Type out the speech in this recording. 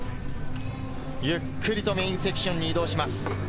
ゆっくりとメインセクションに移動します。